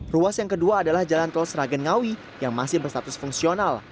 ruas yang kedua adalah jalan tol seragen ngawi yang masih berstatus fungsional